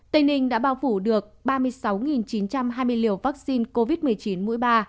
tây ninh đã bao phủ được ba mươi sáu chín trăm hai mươi liều vaccine covid một mươi chín mũi ba